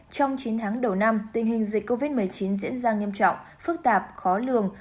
trong chín tháng đầu năm tình hình dịch covid một mươi chín diễn ra nghiêm trọng phức tạp khó lường